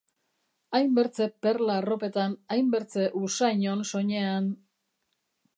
Hainbertze perla arropetan, hainbertze usain-on soinean...